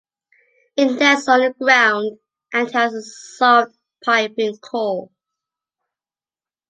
It nests on the ground, and has a soft piping call.